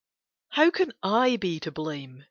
How can I be to blame?